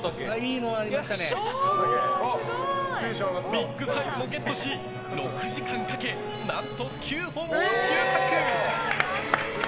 ビッグサイズもゲットし６時間かけ、何と９本も収穫。